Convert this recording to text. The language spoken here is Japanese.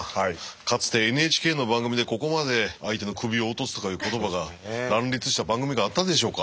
かつてＮＨＫの番組でここまで相手の首を落とすとかいう言葉が乱立した番組があったでしょうか。